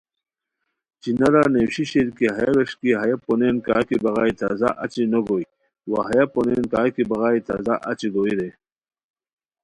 چنارا نیویشی شیر کی ہیہ ویݰکی ہیہ پونین کاکی بغائے تازہ اچی نو گوئے، وا ہیہ پونین کاکی بغائے تازہ اچی گوئے رے